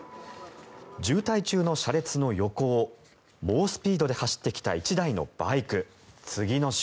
渋滞中の車列の横を猛スピードで走ってきたバイクの列。